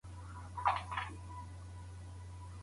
خټین لوښي بې اوره نه پخېږي.